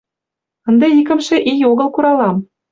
Ынде икымше ий огыл куралам.